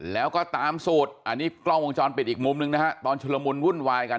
แล้วก็ตามสูตรอันนี้กล้องวงจรปิดอีกมุมหนึ่งนะฮะตอนชุลมุนวุ่นวายกัน